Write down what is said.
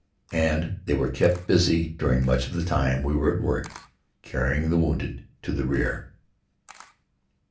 and they were kept busy during much of the time we were at work, carrying the wounded to the rear.